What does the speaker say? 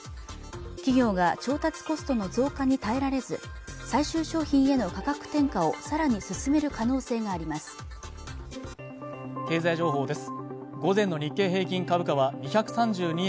企業が調達コストの増加に耐えられず最終商品への価格転嫁をさらに進める可能性があります